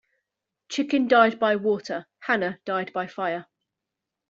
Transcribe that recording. Chicken died by water, Hannah died by fire.